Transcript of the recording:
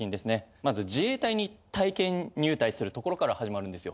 まず自衛隊に体験入隊するところから始まるんですよ。